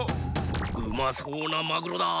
うまそうなマグロだ！